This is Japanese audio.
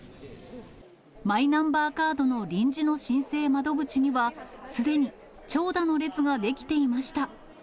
マイナンバーカードの臨時の申請窓口には、すでに長蛇の列が出来ていました。